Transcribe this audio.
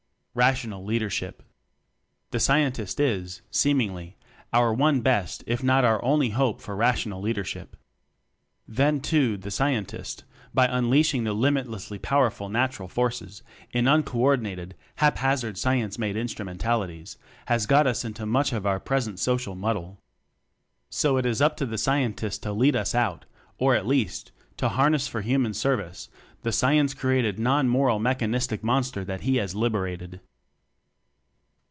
Rational Leadership. The Scientist is, seemingly, our one best, if not our only hope for Rational Leadership. Then, too, the Scientist by un leashing the limitlessly powerful nat ural forces, in uncoordinated, haphaz ard science made instrumentalities has got us into much of our present social muddle. So it is up to the Scientist to lead us out; or at least, to harness for human service the science created non moral mechanistic monster that he has liberated.